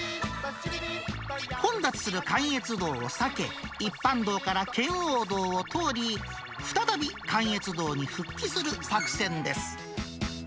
混雑する関越道を避け、一般道から圏央道を通り、再び関越道に復帰する作戦です。